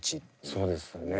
そうですね。